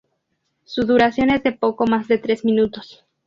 Su duración es de poco más de tres minutos.